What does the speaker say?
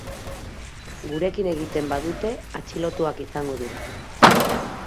Gurekin egiten badute, atxilotuak izango dira.